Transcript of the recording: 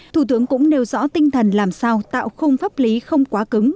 thủ tướng cũng nêu rõ tinh thần làm sao tạo khung pháp lý không quá cứng